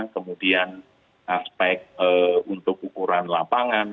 kemudian aspek untuk ukuran lapangan